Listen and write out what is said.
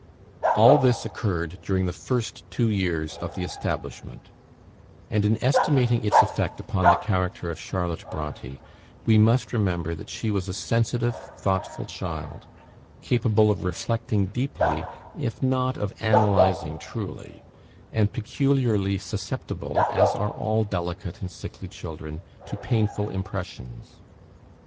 All this occurred during the first two years of the establishment, and in estimating its effect upon the character of Charlotte Bronte, we must remember that she was a sensitive thoughtful child, capable of reflecting deeply, if not of analyzing truly; and peculiarly susceptible, as are all delicate and sickly children, to painful impressions.